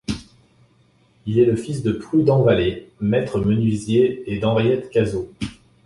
Il est le fils de Prudent Vallée, maître menuisier, et d'Henriette Cazeau.